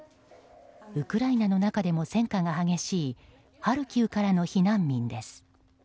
ウクライナの中でも戦火が激しいハルキウからの避難民です。